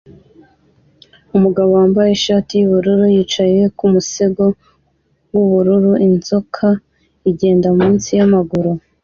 Umugabo wambaye ishati yubururu yicaye ku musego wubururu inzoka igenda munsi yamaguru